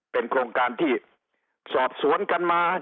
เป็นโครงการที่สอบสวนกันมา